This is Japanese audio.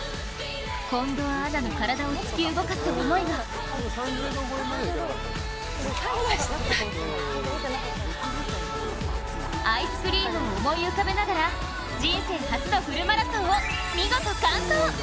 近藤アナの体を突き動かす思いはアイスクリームを思い浮かべながら人生初のフルマラソンを見事完走！